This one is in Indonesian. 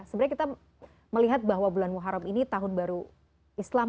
sebenarnya kita melihat bahwa bulan muharram ini tahun baru islam